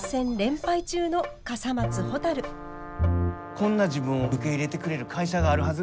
こんな自分を受け入れてくれる会社があるはず